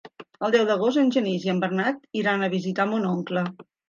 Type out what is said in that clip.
El deu d'agost en Genís i en Bernat iran a visitar mon oncle.